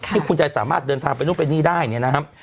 ที่คุณจะสามารถเดินทางไปนู่นไปนี่ได้เนี่ยนะครับ